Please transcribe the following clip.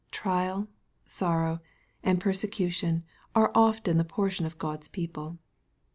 Trial, sorrow, and persecution are often the portion of God's people.